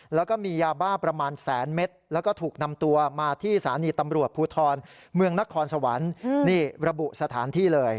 แล้วก็มียาบ้าประมาณแสนเมตรแล้วก็ถูกนำตัวมาที่สถานีตำรวจภูทรเมืองนครสวรรค์นี่ระบุสถานที่เลย